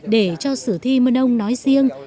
để cho sử thi mà nông nói riêng